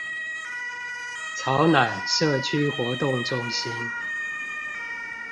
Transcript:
草湳社區活動中心